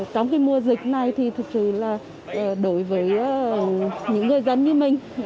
trong mùa dịch này thì thực sự là đối với những người dân như mình